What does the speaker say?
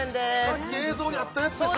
さっき映像にあったやつでしょ？